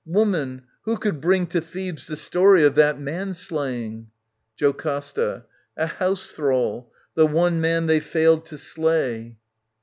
Woman, who could bring To Thebes the story of that manslaying ? JoCASTA. A house thrall, the one man they failed to slay.